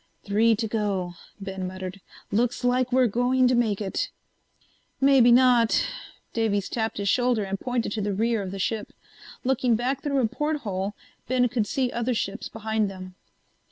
"Three to go," Ben muttered. "Looks like we're going to make it." "Maybe not." Davies tapped his shoulder and pointed to the rear of the ship. Looking back through a porthole, Ben could see other ships behind them.